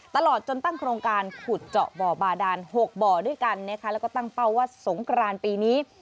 ตลอดจนตั้งโครงการขุดเจาะบ่อบาดาน๖บ่อด้วยกันนะคะแล้วก็ตั้งเป้าว่าสงกรานปีนี้